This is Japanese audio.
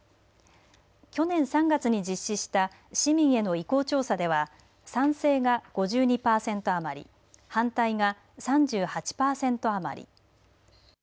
去年３月に実施した市民への意向調査では賛成が５２パーセント余り反対が３８パーセント余り。